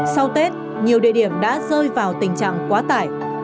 sau tết nhiều địa điểm đã rơi vào tình trạng quá tải